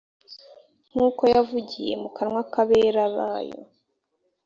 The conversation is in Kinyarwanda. nk’uko yavugiye mu kanwa k’abera bayo